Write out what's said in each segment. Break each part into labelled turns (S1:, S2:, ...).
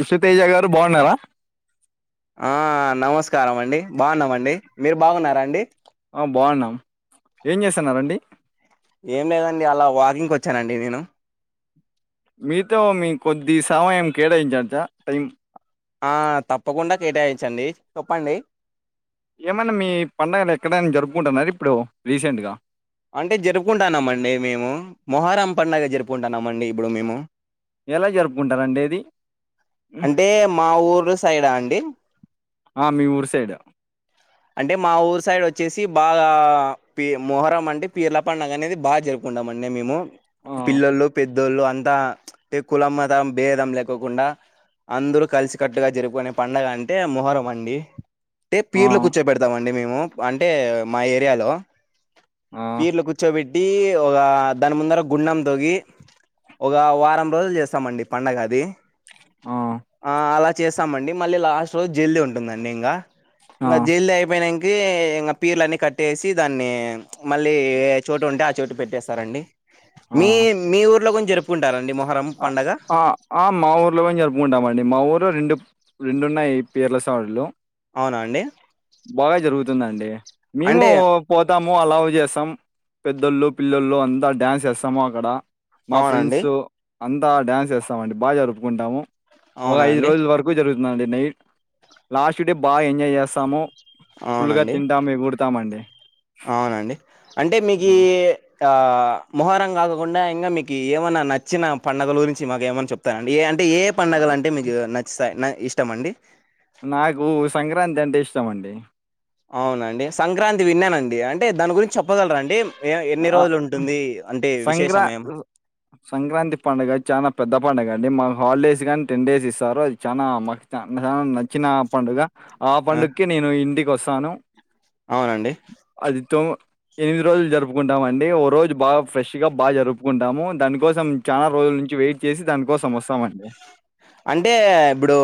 S1: విష్ణుతేజా గారు బాగున్నారా.
S2: ఆ నమస్కారం అండి, బాగున్నామండి మీరు, బాగున్నారా అండి,
S1: ఆ బాగున్నాం ఏం జెస్తన్నరండి.
S2: ఏం లేదండి అలా వాకింగ్ కోచ్చానండి నేను.
S1: మీతో మేం కొద్ది సమయం కేటాయించచ్చా టైం.
S2: ఆ తప్పకుండా కేటాయిచ్చండి చోప్పండి.
S1: ఏమైనా మీ పడుగలెక్కడైనా జరుపుకుంటున్నార ఇప్పుడు రీసెంట్ గా.
S2: అంటే జరుపుకుంటాన్నామండి మేము, మొహరం పండుగ జరుపుకుంటాన్నాం మండి ఇప్పుడు మేము.
S1: ఎలా జరుపుకుంటారండి అది.
S2: అంటే మా ఊర్రా సైడా అండి.
S1: ఆ మీ ఊరు సైడే.
S2: అంటే మా ఊరు సైడ్ ఓ. చ్చేసి బాగా పి మొహరం అంటే పీర్ల పడుగ అనేది బాగా జరుపుకుంటాం అండి మేము.
S1: ఆ,
S2: పిల్లలు పెద్దోళ్ళు అంతా చ్ అంటే కులం మతం భేదం లేకోకుండా. అందరూ కలిసికట్టుగా జరుపుకునే పండగ, అంటే మొహరం అండి తే
S1: ఆ,
S2: పీర్రల్ల కు. అండి మేము, అంటే మా ఏరియాలో,
S1: ఆ,
S2: పీర్లు కూర్చో బె. టీ ఒగ దాని ముందర గుండం తొవ్వి. ఒగ వారం రోజులు జెస్తామండి పండగ అది. ఆ అలా చేస్తామండి మళ్ళీ లాస్ట్ రోజు జెల్ది ఉంటుందండి ఇంగ.
S1: ఆ.
S2: ఐపోయినంకీ, ఇంగ పీర్ల అన్ని కట్టేసి దాన్నీ, మళ్ళీ ఏ చోటు ఉంటే, ఆ చోటు పెట్టేస్తారండి. మీ మీ ఊర్లో గుని జరుపుకుంటారండి మొ.
S1: అ ఆ ఆ మా ఊర్లో గని జరుపుకుంటామండి మా ఊర్. లో రెండు రెండున్నాయి పీర్ల సవారీలు.
S2: అవునా అండి
S1: బాగా జరుగుతుందండే మేమూ
S2: అంటే
S1: పోతాము అలా ఓ. చేస్తాం పెద్దళ్ళు పిలల్లోల్లు అంతా డ్యాన్స్ సేస్తాము అక్కడ, మా
S2: అవునండి
S1: ఫ్రెండ్స్ ఉ. అంతా డ్యాన్స్ సేస్తామండి బాగా జరుపుకుంటాము, ఒ ఐదు
S2: అవునండి
S1: రోజుల వరకు జరు. నడి నైట్ లాస్ట్ డే బాగా ఎంజాయ్ జెస్తాము.
S2: అవునండి అవునండి అంటే
S1: ఆ,
S2: మీకీ ఏ. ఇంకా మొహరం కాకుండా ఇంగ మీకు ఏమైన్నా నచ్చిన పండుగల గురించి మాకు ఏమైన్నా చెప్తారండి ఏ అ. అంటే ఏ పండుగల అంటే మీకు నచ్చితయ్ నాయ్ ఇష్టం మండి.
S1: నాకు సంక్రాంతి అంటే ఇష్టం అండి.
S2: అవునండి సంక్రాంతి విన్నానండి, అంటే దాని గురించి చెప్పగలరా అండి, ఎ ఎన్ని
S1: ఆ
S2: రోజులు ఉంటుంది. అంటే
S1: సంక్రా
S2: విశేషం ఏం
S1: ఉ సంక్రాంతి పండుగ చాలా పెద్ద పండుగ అండి మా. హాలిడేస్ గాని టెన్ డేస్ ఇస్తారు, అది చానా మా చా రం నచ్చిన పండుగ. ఆ పండుక్కే నేను ఇంటికి ఓస్తాను.
S2: అవునండి
S1: అది తో ఎనిమిది రోజులు జరుపు. కుంటా మండి, ఓ రోజు బాగా ఫ్రెష్ గా బా జరుపుకుంటాము, దాని కోసం చాలా రోజుల నుంచి వెయిట్ చేసి దానికోసం వొస్తా.
S2: అంటే ఇప్పుడూ.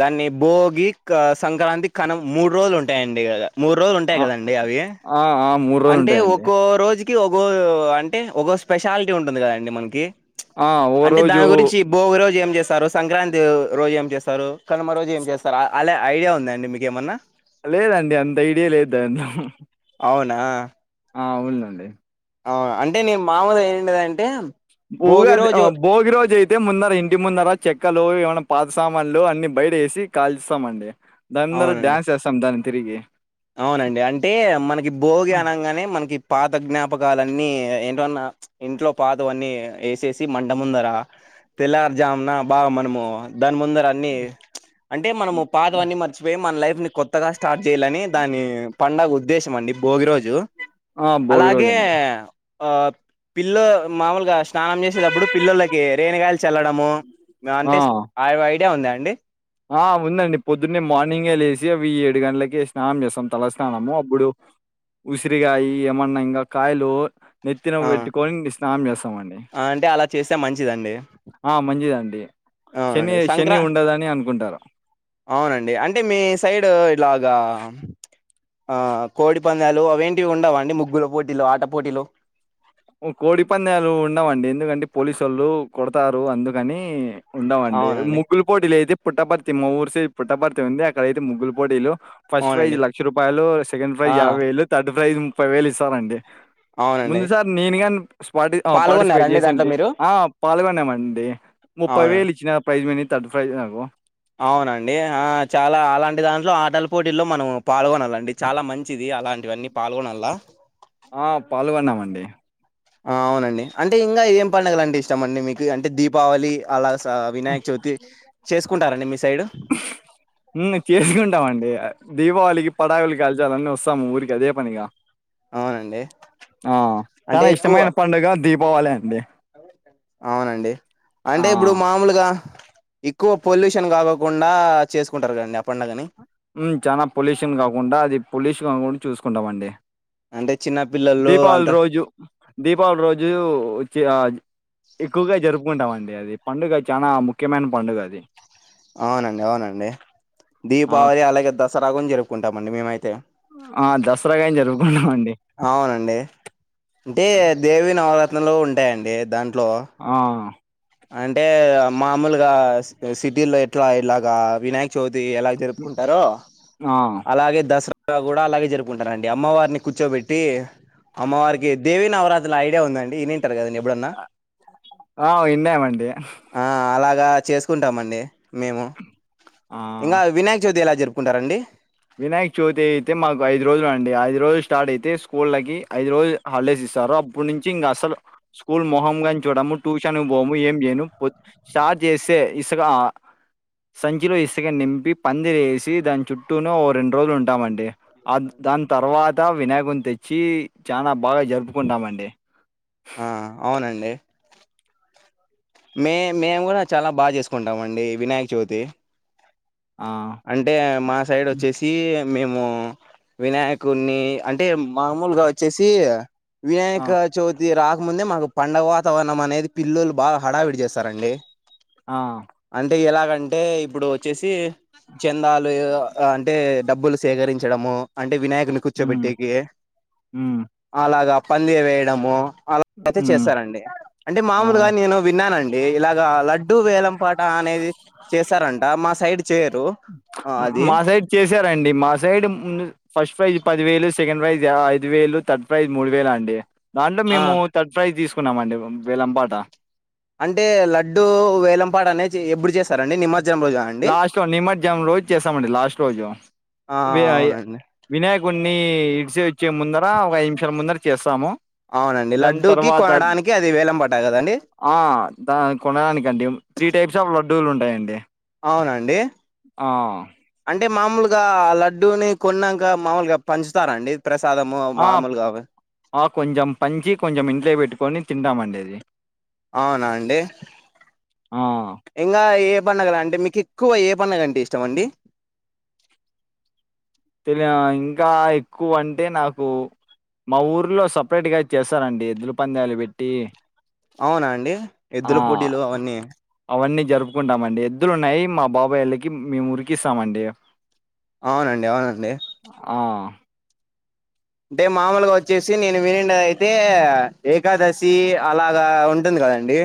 S2: దాన్ని భోగి క సంక్రాంతి కనం మూడు రోజులు ఉంటాయండి గద. మూడు రోజులు ఉంటాయి
S1: ఆ!
S2: గదండి అవీ,
S1: ఆ! ఆ!
S2: అంటే
S1: రోజులుంటాయండి.
S2: ఒక్కో రోజి. కి ఒకో ఓ అంటే ఒకో స్పెషాలిటీ ఉంటుంది గదాండి మనకీ. చ్
S1: ఆ! ఓ
S2: అంటే
S1: రోజు
S2: దాని గురించి భోగు రోజు ఏం జెస్. స్తారు సంక్రాంతి ఓ రోజు ఏం జెస్తారు, కనుమ రోజు ఏం జెస్తారు, అ అలా ఐడియా ఉందండి, మీకు ఏమన్నా.
S1: లేదండి అంత ఐడియా లేదు అంత.
S2: అవునా.
S1: ఆ ఉవుళండి
S2: అవున అంటే నేను మామూలుగ ఇనిండేది అంటే
S1: ఉగాది బోగి రోజైతే టే ముందర ఇంటి ముందర చెక్కలు ఏమైనా పాత సామాన్లు అన్ని బయటేసి కాల్స్తామండి అందరు
S2: అవునండి
S1: డ్యాన్స్ చేస్తాం దాని తిరిగి
S2: అవునండి అంటే మనకి భోగి అనంగానే మనకి పాత జ్ఞాపకాలన్నీ ఏంటివన్న ఇంట్లో పాతవన్నీ ఏసేసి మంట ముందరా తెల్లార్జామున బాగా మనము దాని ముందర అన్ని అంటే మనము పాత వన్నీ మర్చిపోయి మన లైఫ్ ని కొత్తగా స్టార్ట్ చేయ్యాలని దాని పండగ ఉద్దేశం అండి భోగి రోజు
S1: ఆ! భోగి
S2: అలాగే
S1: రోజండి.
S2: ఆ పిల్లో మాముూలుగా స్నానం చేసేటప్పుడు పిల్లోల్లకి రేనిగాయలు చల్లడము మ
S1: ఆ!
S2: అంటే అవి ఐడియా ఉందా అండి
S1: ఆ ఉందండి పొద్దున్నే మార్నింగే లేసి అవి ఏడు గంటలకి స్నానం చేస్తాం తలస్నానము అప్పుడు ఉసిరిగాయ ఏమన్నా ఇంకా కాయలు నెత్తిన
S2: ఆ
S1: పెట్టి కోని స్నానం చేస్తామండి
S2: అంటే అలా చేస్తే మంచిదండి
S1: ఆ మంచిదండి శని
S2: అవునండి
S1: శని
S2: సంక్రాం
S1: ఉండదని అనుకుంటారు.
S2: అవునండి అంటే మీ సైడ్ ఇట్లగా ఆ కోడిపందాలు అవేంటివి ఉండవాండి ముగ్గుల పోటీలు ఆట పోటీలు
S1: కోడి పందాలు ఉండవండి ఎందుకంటే పోలీసొళ్ళు కొడతారు అందుకని ఉండవండి
S2: అవునండి
S1: ముగ్గుల్ పోటీలు అయితే పుట్టపర్తి మా ఊరు సైడ్ పుట్టపర్తి ఉంది అక్కడైతే ముగ్గులు పోటీలు ఫస్ట్ ప్రైజ్
S2: అవునండి
S1: లక్ష రూపాయలు సెకండ్
S2: ఆ
S1: ప్రైజ్ యాబై వేలు థర్డ్ ప్రైజ్ ముప్పై వేలు ఇస్తారండి
S2: అవునండి
S1: సార్ నేనుగాని స్పర్ట్ పార్టిసిపేట్
S2: పాల్గొన్నారండి దాంట్లో
S1: చేసింటి
S2: మీరు
S1: ఆ పాల్గొనేమండి ముప్పై
S2: అవును
S1: వేలు ఇచ్చినారు ప్రైజ్ మీని థర్డ్ ప్రైజ్ నాకు
S2: అంటే దాంట్లో ఆటల పోటీల్లో మనం పాల్గొనాలండి చాలా మంచిది అలాంటివన్నీ పాల్గొనలా
S1: ఆ పాల్గొన్నామండి
S2: ఆ అవునండి అంటే ఇంకా ఎం పండగలు అంటే ఇష్టం అండి మీకు అంటే దీపావళి అలాగ వినాయక్ చవితి చేసుకుంటారంండి మీ సైడు
S1: హ్మ్ మేము చేసుకుంటామండి దీపావళికి పటాకులు కాల్చాలని వస్తాము ఊరికి అదే పనిగా
S2: అవునండి
S1: ఆ
S2: అంటే
S1: చానా
S2: ఎక్కువ
S1: ఇష్టమైన పండుగ దీపావళి అండి
S2: అవునండి
S1: ఆ
S2: అంటే ఇప్పుడు మామూలుగా ఎక్కువ పొల్యూషన్ కాకోకుండా చేసుకుంటారు కదా అండి ఆ పండుగని
S1: హ్మ్ చానా పొల్యూషన్ కాకుండా అది పొల్యూషన్ కాకుండా చూసుకుంటామండి
S2: అంటే చిన్న పిల్లలు
S1: దీపావళి
S2: అంత
S1: రోజు దీపావళి రోజు వచ్చి ఎక్కువగా జరుపుకుంటాము అండి అది పండుగ చాలా ముఖ్యమైన పండుగ అది
S2: అవునండి అవునండి
S1: ఆ
S2: దీపావళి అలాగే దసరా గూనా జరుపుకుంటామండి మేమైతే
S1: ఆ దస
S2: అవునండి అంటే దేవి నవరత్నలు ఉంటాయండి దాని
S1: ఆ
S2: అంటే మామూలుగా సిటీ లో ఎట్లా ఇలాగా వినాయక చవితి ఎలా జరుపుకుంటారో
S1: ఆ
S2: అలాగే దసరా కూడా అలాగే జరుపుకుంటారండి అమ్మవారిని కూర్చోబెట్టి అమ్మవారికి దేవి నవరాత్రుల ఐడియా ఉందండి వినిఉంటారు కదండి ఎప్పుడన్నా
S1: ఆ విన్నామండి
S2: ఆ అలాగా చేసుకుంటామండి మేము ఇంకా వినాయక చవితి ఎలా జరుపుకుంటారండి
S1: వినాయక్ చవితి అయితే మాకు ఐదు రోజులు అండి రోజ్ స్టార్ట్ అయిద్ది స్కూళ్ళకి ఐదు రోజులు హాలిడేస్ ఇస్తారు అప్పుడు నుంచి ఇంగా అస్సలు స్కూల్ మొహంమ్ గాని చూడము ట్యూషన్ పోము ఏమ్ చేయిను స్టార్ట్ చేస్తే ఇసుక ఆ సంచిలో ఇసుక నింపి పందిరే ఏసి దాని చుట్టూ టూనో ఓ రెండు రోజులు ఉంటామ అండి ఆ దాని తర్వాత వినాయకుని తెచ్చి చాన బాగా జరుపుకుంటామ అండి
S2: ఆ మేమ్ మేము కూడా చాలా బాగా చేసుకుంటామ్అండి వినాయక చవితి
S1: ఆ
S2: అంటే మా సైడ్ వచ్చేఏసి మేము వినాయకుని అంటే మామూలుగా వచ్చే ఏసి
S1: ఆ
S2: వినాయక చవితి రాక్ ముందే మాకు పండగ వాతావరణం అనేది పిల్లులు బాగా హడావిడి చేస్తారఅండి
S1: ఆ
S2: అంటే ఎలాగ అంటే ఇప్పుడు వచ్చే ఏసి చేందాలు అంటే డబ్బులు సేకరించడము అంట్ టే వినాయకుని
S1: ఉమ్
S2: కూర్చోబెట్టేకే
S1: ఉమ్
S2: అలాగా పందిరి వేయడము అలా అయితే
S1: ఉమ్
S2: చేస్తార అండి అంటే
S1: ఆ
S2: మామూలుగా నేను విన్నాన అండి ఇలాగా లడ్ డ్డు వేలం పాట అనేది చేస్తార అంట మా సైడ్ చేయరు ఆ అది
S1: మా సైడ్ చేసార అండి మా సైడ్ మ్ ఫస్ట్ ప్రైజ్ పదివేలు సెకండ్ ప్రైజ్ ఐదు వేలు థర్డ్ ప్రైజ్ మూడు వేల అండి దాంట్లో
S2: ఆ
S1: మేము థర్డ్ ప్రైజ్ తీసుకు ఉన్నాము అండి వేలం పాట
S2: అంటే లడ్డు వేలంపాట అనేది ఎప్పుడు చేస్తార అండి నిమజ్జ్
S1: లాస్ట్ లో నిమజ్జనం రోజు చేస్తామ అండి లాస్ట్ రోజు
S2: ఆ అవునండి
S1: వినాయకుని మీ ఇడిసో వచ్చే ముందర ఒక ఐదు నిమిషాల ముందర చేస్తాము
S2: అవున అండి
S1: దాని
S2: లడ్డూకి
S1: తర్వాత
S2: కొనడానికి అది వేలం పాట కద అండి
S1: ఆ దా కొనడానికి అండి త్రీ టైప్స్ ఆఫ్ లడ్డూలు ఉంటాయ అండి
S2: అవున అండి
S1: ఆ
S2: అంటే మామూలుగా ఆ లడ్డూని కొన్నాక మామూలుగా పంచుతార అండి
S1: ఆ ఆ కొంచెంమ్ పంచి కొంచెం ఇంట్లో పెట్టుకొని తింటామ అండి అది
S2: అవునా అండి
S1: ఆ
S2: ఇంకా ఏ పండగల అండి మీకు ఎక్కువ ఏ పండగ అంటే ఇష్టమ అండి
S1: తిమ్యా ఇంకా ఎక్కువ అంటే నాకు మా ఊర్లో సపరేట్గా చేస్తార అండి ఎద్దుల పందాలు పెట్టి
S2: అవునా అండి ఎద్దుల పోటీలు అవ అన్నీ
S1: జరుపుకుంటామ అండి ఎద్దులు ఉన్నాయి మా బాబయి వాళ్ళకి మేము ఊరికి ఇస్తామ అండి
S2: అవున అండి అవున అండి అంటే మామూలుగా వచ్చేసి నేను వినిండ అయితే ఏకాదశి అలాగా ఉంటు ఉంది కద అండి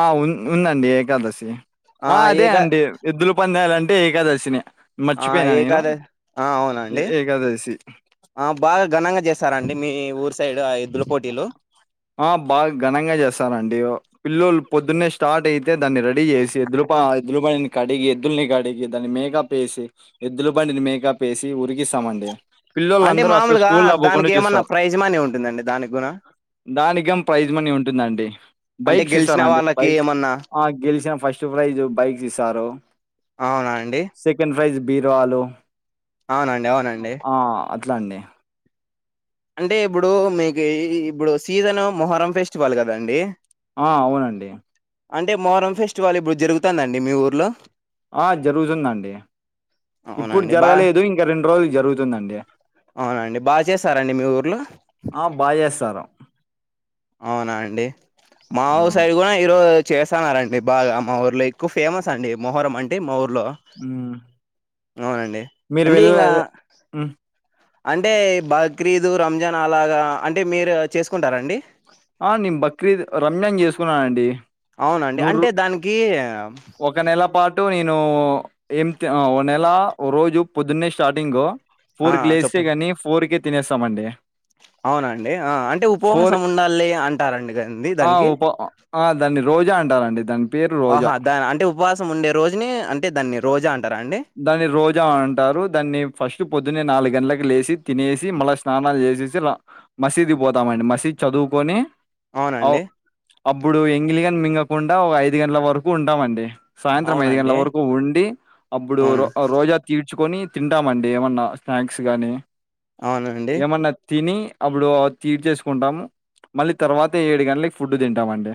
S1: ఆ ఉ ఉంద అండి ఏకాదశి ఆ అదే అండి ఎద్దులు పందాల అండ్ అంటే ఏకాదశి నే
S2: ఆ ఏకాదశి ఆ అవున అండి
S1: ఏ- ఏకాదశి
S2: ఆ బాగా ఘనంగా చేస్తార అండి మీ ఊరు సైడ్ ఆ ఏద్దుల పోటీలు
S1: ఆ బాగా ఘనంగా చేస్తారతండి ఓ పిల్లోలు పొద్దున్న స్టార్ట్ అయితే దాన్ని రెడీ చేసి ఎద్దులు మా ఎద్దులు బండిని కడిగి ఎద్దుల్ని కడిగి దాని మేకప్ ఏసి ఎద్దులు బండిని మేకప్ ఏసి ఉరికిస్త్ చామఅండి
S2: అంటే మామూలుగా దానికి ఏమ అన్నా
S1: చూస్తారు
S2: ప్రైజ్ మని ఉంటుంద అండి దానికి గున
S1: దానికేం ప్రైజ్ మనీ ఉంటుందండి
S2: అంటే
S1: బైక్స్
S2: గెలిచిన
S1: ఇస్తారాండి
S2: వాళ్ళకి
S1: బైక్
S2: ఏమన్నా
S1: గెలిసినా ఫస్ట్ ప్రైజ బైక్స్ ఇస్తారు
S2: అవునా అండి
S1: ఫ్రైజ్ బీరో వాలు
S2: అవునండి అవునండి
S1: అట్లా అండి
S2: అంటే ఇప్పుడు మీకు ఇప్పుడు సీజను మొహరం ఫెస్టివల్ కదాండి
S1: ఆ అవునండి
S2: అంటే మొహారం ఫెస్టివల్ ఇప్పుడు జరుగుతందండి మీ ఊర్లో
S1: ఆ జరుగుతుందండి ఇప్పుడు
S2: అవునండి బా
S1: జరగలేదు ఇంకా రెండు రోజులు జరుగుతుందండి
S2: అవునండి బాగా చేస్తారండి మీ ఊర్లో
S1: తరు
S2: అవునా అండి
S1: ఆ
S2: మాఊర్ సైడ్ కూడా ఈరో చేస్తనరండి బాగా మా ఊర్లో ఎక్కువ ఫేమస్ అండి మొహరం అంటే మా ఊర్ లో
S1: మ్మ్
S2: అవునండి
S1: మీరు
S2: అంటే
S1: వెళ్ళ
S2: ఇంగ
S1: మ్మ్
S2: అంటే బక్రీదు రంజాన్ అలాగా అంటే మీరు చేసుకుంటారా అండి
S1: ఆ నేను బక్రీద్ రంజాన్ చేసుకున్నానండి
S2: అవునండి
S1: నువ్ రు
S2: అంటే దానికి
S1: ఒక నెల పాటు నేన్ ను ఎం త్ ఓ నెల రోజు పొద్దున్నే స్టార్టింగ్
S2: ఆ
S1: ఫోర్ కి లేస్తే
S2: చెప్పండి
S1: గాని ఫోర్కే తినేస్తామండి
S2: అవునండి అ అంటే
S1: ఫోర్
S2: ఉపవాసం ఉండాలి అంటారండి కదండి
S1: ఆ
S2: దానికి
S1: ఉప్ ఆ దాన్ని రోజా అంటారండి దాని పేరు రోజా
S2: ఆహా దా అంటే ఉపవాసం ఉండే రోజుని అంటే దాన్ని రోజా అంటారా అండి?
S1: దాన్ని రోజా అంటారు దాన్ని ఫస్ట్ పొద్దున్ నాలుగంట్ల లేసి తినేసి మళ్ళా స్నానలు చేసేసి మసీదు పోతామండి మసీదు చదువుకొని
S2: అవునండి
S1: అవ్ అప్పుడు ఎంగిలిగాని మింగకుండా ఒక ఐదు గంటల వరకు ఉంటామండి సాయంత్రం ఐదు
S2: అవునండి
S1: గంటల వరకు ఉండి అప్పుడు
S2: అవును
S1: రో రోజా తీట్ చ్చుకొని తింటామండి ఏమన్నా స్నాక్స్ గానీ
S2: అవునండి
S1: ఏమన్నా తిని అప్పుడు తీర్చేసుకుంటాము మళ్ళీ తర్వాత ఏడు గంటలకి ఫుడ్ తింటాము అండి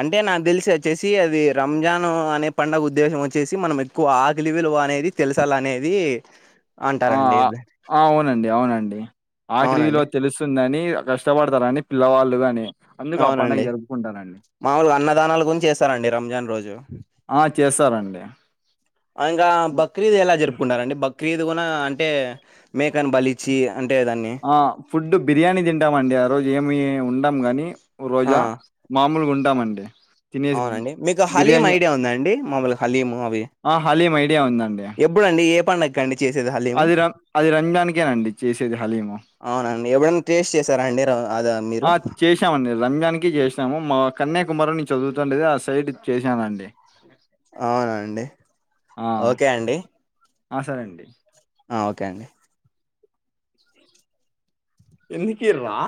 S2: అంటే నాకు తెలిసి వచ్చేసి అది రంజాన్ అనే పండగ ఉద్దేశం వచ్చేసి మనం ఎక్కువ ఆకిలి విలు వ అనేది తెలుసాల అనేది
S1: ఆ ఆ అవునండి అవునండి ఆకాళీ విలువ
S2: అవునండి
S1: తెలుస్తుందని కష్టపడుతారని పిల్లవాళ్ళు గాని అందుకు అ పండుగ జరుపుకుంట
S2: మాముూలుగా అన్నదానలు కుని గ చేస్తారండి రంజాన్ రోజు
S1: ఆ! చేస్తారండి.
S2: ఇంకా
S1: హ్మ్.
S2: బక్రీదు ఎలా జరుపుకుంటారండి బక్రీద్ కూన అంటే మేకను బలిచ్చి అంటే దాన్ని
S1: ఆ ఫుడ్ బిర్యానీ తింటామండి ఆ రోజు ఏమి ఉండం గాని
S2: ఆ
S1: రోజా మామూలుగా ఉంటామండి తినేసి
S2: అవునండి మీకు హలీం
S1: బిర్యానీ
S2: ఐడియా ఉందండి మాములు హలీము అవి
S1: ఆ హాలీమ్ ఐడియా ఉందండి
S2: పండకండి చేసేది హాలీమ్
S1: అది రం అది రంజాన్‌కేనండి చేసేది హలీము.
S2: అవునా అండీ ఎప్పుడన్నా టెస్ట్ చేసారాఅండీ
S1: ఆ చేశామండి రంజాన్నికి చేసాము మా కన్యాకుమారిలో ఆ సైడ్ చేశానండి
S2: అవునండి
S1: ఆ అ సరేండి.
S2: అ ఒకే అండి.
S1: ఎందుకీర్రా